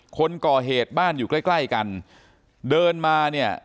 คนก่อเหตุบ้านอยู่ใกล้ใกล้กันเดินมาเนี่ย